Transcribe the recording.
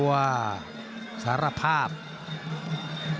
หมดแรงก็หมดเหลี่ยมทุกอย่างเลย